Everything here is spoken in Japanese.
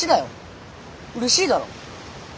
うれしいだろ。